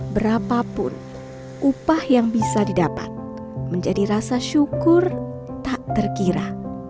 berapapun upah yang bisa didapat menjadi rasa syukur tak terkira